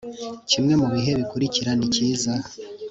kimwe mu bihe bikurikira nikiza